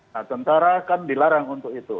nah tentara kan dilarang untuk itu